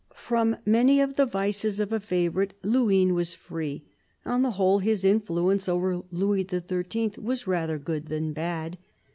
From many of the vices of a favourite, Luynes was free; on the whole, his influence over Louis XIII. was rather good than bad.